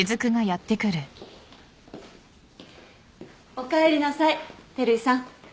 おかえりなさい照井さん。